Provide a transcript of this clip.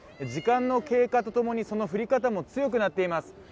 時間の経過とともにその降り方も強くなっています。